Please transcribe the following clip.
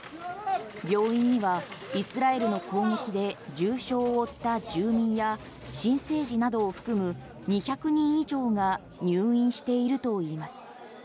病院にはイスラエルの攻撃で重傷を負った住民や新生児などを含む２００人以上が入院しているといいます。